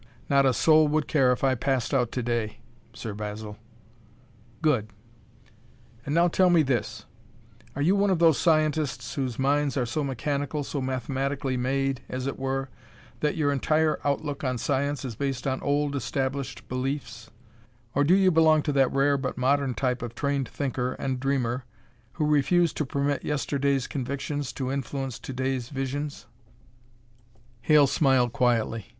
"Not a soul would care if I passed out to day, Sir Basil." "Good! And now tell me this: are you one of those scientists whose minds are so mechanical, so mathematically made, as it were, that your entire outlook on science is based on old, established beliefs, or do you belong to that rare but modern type of trained thinker and dreamer who refuse to permit yesterday's convictions to influence to day's visions?" Hale smiled quietly.